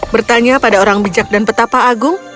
bertanya pada orang bijak dan betapa agung